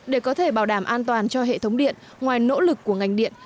để có thể bảo đảm an toàn cho hệ thống điện ngoài nỗ lực của ngành điện